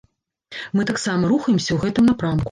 Мы таксама рухаемся ў гэтым напрамку.